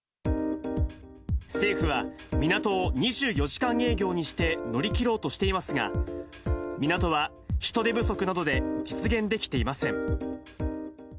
政府は、港を２４時間営業にして乗り切ろうとしていますが、港は人手不足などで実現できていません。